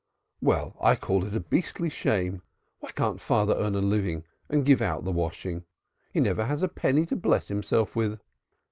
"Well, I call it a beastly shame. Why can't father earn a living and give out the washing? He never has a penny to bless himself with."